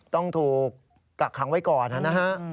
ต้องถูกักหังไว้ก่อน